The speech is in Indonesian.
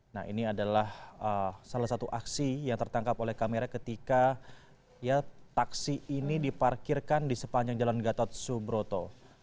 nah ini adalah salah satu aksi yang tertangkap oleh kamera ketika taksi ini diparkirkan di sepanjang jalan gatot subroto